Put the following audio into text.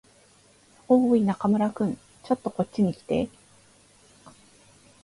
おーい、中村君。ちょっとこっちに来て。